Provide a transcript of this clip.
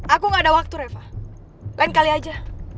aku gak ada waktu reva lain kali aja